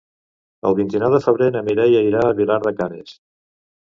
El vint-i-nou de febrer na Mireia irà a Vilar de Canes.